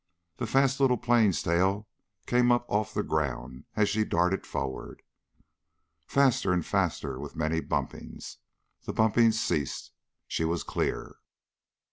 The fast little plane's tail came up off the ground as she darted forward. Faster and faster, with many bumpings. The bumpings ceased. She was clear.